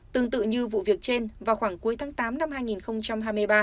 tương tự như vụ việc trên vào khoảng cuối tháng tám năm hai nghìn hai mươi ba